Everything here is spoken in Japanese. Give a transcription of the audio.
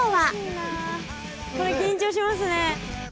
これ緊張しますね。